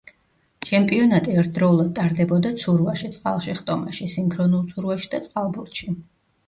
ჩემპიონატი ერთდროულად ტარდებოდა ცურვაში, წყალში ხტომაში, სინქრონულ ცურვაში და წყალბურთში.